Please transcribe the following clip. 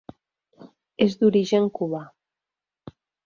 És d'origen cubà.